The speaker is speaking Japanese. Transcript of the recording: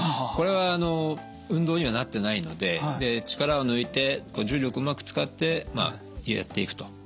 これはあの運動にはなってないので力を抜いて重力うまく使ってまあやっていくと。